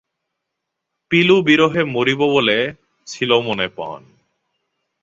পিলু বিরহে মরিব বলে ছিল মনে পণ।